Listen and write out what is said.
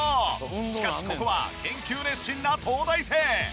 しかしここは研究熱心な東大生！